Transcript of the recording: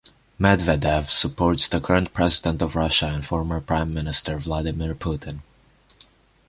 Medvedev supports the current President of Russia and former Prime Minister Vladimir Putin.